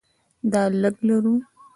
دا لږې لرو.